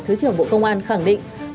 thứ trưởng bộ công an khẳng định